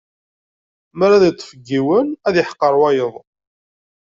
Mi ara ad iṭṭef deg yiwen, ad iḥqer wayeḍ.